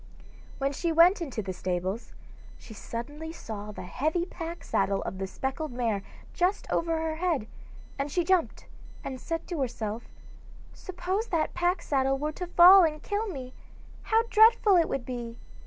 When she went into the stables, she suddenly saw the heavy pack saddle of the speckled mare just over her head, and she jumped and said to herself: 'Suppose that pack saddle were to fall and kill me, how dreadful it would be!